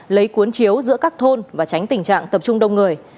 lấy cuốn chiếu giữa các thôn và tránh tình trạng tập trung đông người